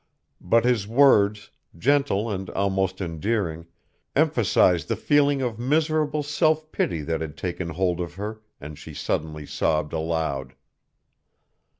But his words, gentle and almost endearing, emphasized the feeling of miserable self pity that had taken hold of her and she suddenly sobbed aloud.